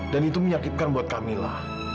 dan itu menyakitkan buat kamila